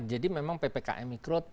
jadi memang ppkm mikro